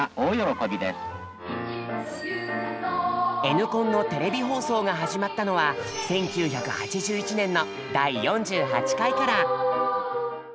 「Ｎコン」のテレビ放送が始まったのは１９８１年の第４８回から。